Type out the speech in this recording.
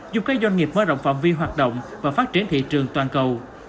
giúp các doanh nghiệp mở rộng phạm vi hoạt động và phát triển thị trường toàn cầu